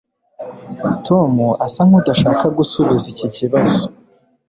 tom asa nkudashaka gusubiza iki kibazo